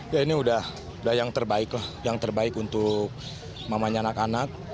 ya ini udah yang terbaik lah yang terbaik untuk mamanya anak anak